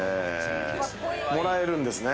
もらえるんですね。